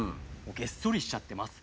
げっそりしちゃってます。